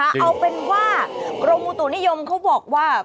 เอาเป็นว่ากรมอุตุนิยมเขาบอกว่า